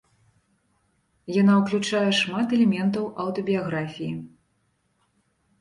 Яна ўключае шмат элементаў аўтабіяграфіі.